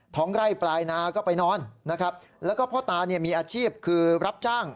ไร่ปลายนาก็ไปนอนนะครับแล้วก็พ่อตาเนี่ยมีอาชีพคือรับจ้าง